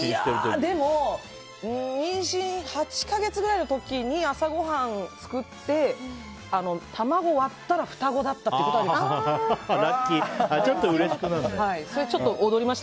でも妊娠８か月くらいの時に朝ごはん作って卵を割ったら双子だったことはありました。